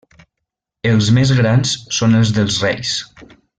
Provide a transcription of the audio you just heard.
Els més grans són els dels reis.